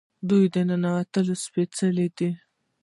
د دوی نیتونه سپیڅلي دي.